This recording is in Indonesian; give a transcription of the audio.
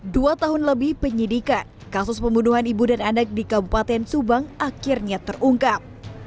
dua tahun lebih penyidikan kasus pembunuhan ibu dan anak di kabupaten subang akhirnya terungkap